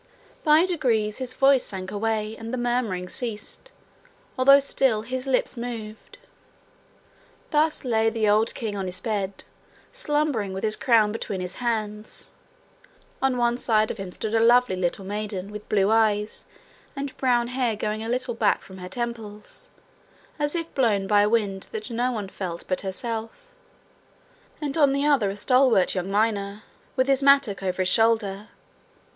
By degrees his voice sank away and the murmuring ceased, although still his lips moved. Thus lay the old king on his bed, slumbering with his crown between his hands; on one side of him stood a lovely little maiden, with blue eyes, and brown hair going a little back from her temples, as if blown by a wind that no one felt but herself; and on the other a stalwart young miner, with his mattock over his shoulder.